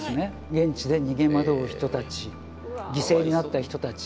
現地で逃げ惑う人たち犠牲になった人たち。